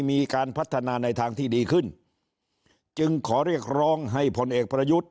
มีการพัฒนาในทางที่ดีขึ้นจึงขอเรียกร้องให้ผลเอกประยุทธ์